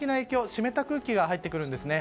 湿った空気が入ってくるんですね。